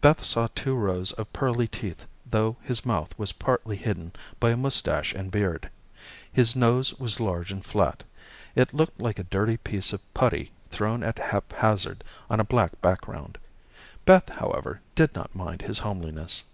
Beth saw two rows of pearly teeth though his mouth was partly hidden by a mustache and beard. His nose was large and flat. It looked like a dirty piece of putty thrown at haphazard on a black background. Beth, however, did not mind his homeliness.